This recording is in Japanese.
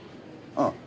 ああ。